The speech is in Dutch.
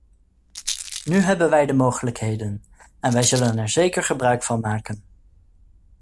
Nu hebben wij de mogelijkheden, en wij zullen er zeker gebruik van maken.